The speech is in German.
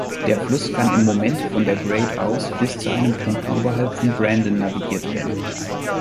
Der Fluss kann im Moment von dem Great Ouse bis zu einem Punkt oberhalb von Brandon navigiert werden.